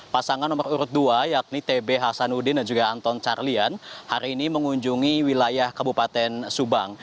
pasangan nomor urut dua yakni tb hasanuddin dan juga anton carlian hari ini mengunjungi wilayah kabupaten subang